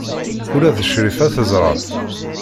Ula d Crifa teẓra-t.